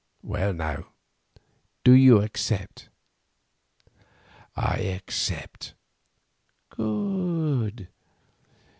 Well now, do you accept?" "I accept." "Good.